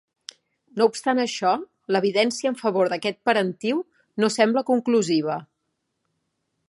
No obstant això, l'evidència en favor d'aquest parentiu no sembla conclusiva.